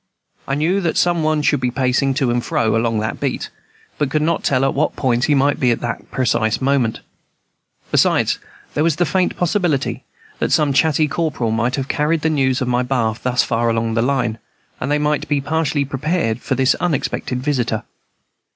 I knew that some one should be pacing to and fro, along that beat, but could not tell at what point he might be at that precise moment. Besides, there was a faint possibility that some chatty corporal might have carried the news of my bath thus far along the line, and they might be partially prepared for this unexpected visitor.